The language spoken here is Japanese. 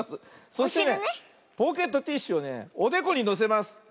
そしてねポケットティッシュをねおでこにのせます。